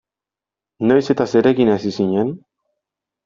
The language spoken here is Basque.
Noiz eta zerekin hasi zinen?